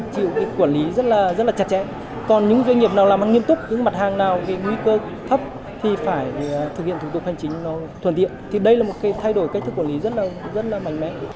thì đây là một thay đổi cách thức quản lý rất là mạnh mẽ